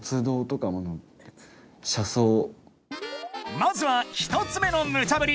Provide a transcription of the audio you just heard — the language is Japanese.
［まずは１つ目のムチャぶり